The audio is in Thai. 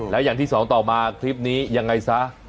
แล้วอย่างที่สองต่อมาคลิปนี้ยังไงซะ